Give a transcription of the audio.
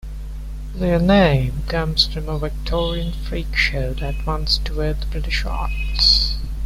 Their name comes from a Victorian freak show that once toured the British Isles.